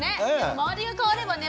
周りが変わればね